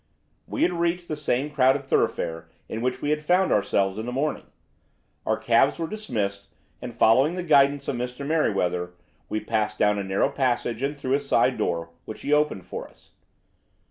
We had reached the same crowded thoroughfare in which we had found ourselves in the morning. Our cabs were dismissed, and, following the guidance of Mr. Merryweather, we passed down a narrow passage and through a side door, which he opened for us.